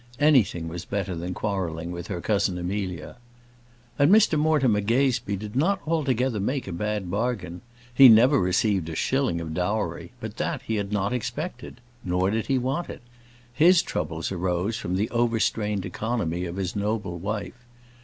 Anything was better than quarrelling with her cousin Amelia. And Mr Mortimer Gazebee did not altogether make a bad bargain. He never received a shilling of dowry, but that he had not expected. Nor did he want it. His troubles arose from the overstrained economy of his noble wife.